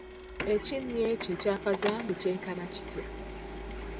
Ekinnya kyo ekya kazambi kyenkana kitya?